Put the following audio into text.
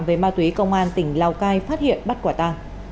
về ma túy công an tỉnh lào cai phát hiện bắt quả ta